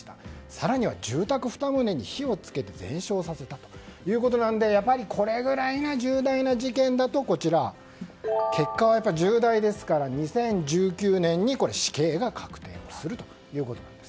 更には住宅２棟に火を付けて全焼させたということなのでやはりこれぐらい重大な事件だと結果は重大ですから２０１９年に死刑が確定するということなんです。